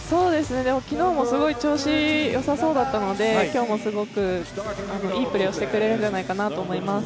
昨日もすごい調子よさそうだったので、今日もすごくいいプレーをしてくれるんじゃないかと思います。